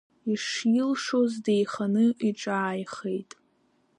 Ишилшоз деиханы иҿааихеит.